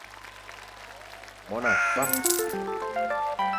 Mon a fam.